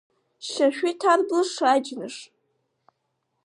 Шьашәы иҭарыблыша аџьныш.